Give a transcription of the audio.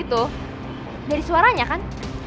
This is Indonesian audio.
disitu dari suaranya kan